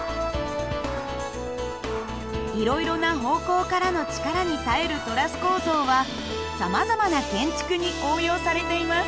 いろいろな方向からの力に耐えるトラス構造はさまざまな建築に応用されています。